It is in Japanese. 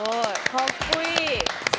かっこいい。